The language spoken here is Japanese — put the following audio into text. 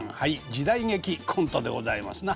時代劇コントでございますな。